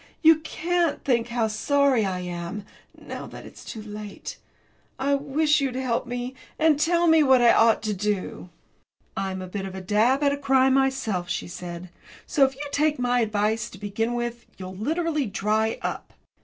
You can't think how sorry I am, now that it's too late. I wish you'd help me, and tell me what I ought to do." "I'm a bit of a dab at a cry myself," she said. "So, if you take my advice, to begin with, you'll literally dry up."